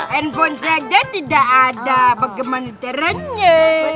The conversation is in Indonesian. handphone saja tidak ada bagaimana terangnya